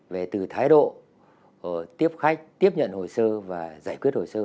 về từ thái độ tiếp khách tiếp nhận hồi sơ và giải quyết hồi sơ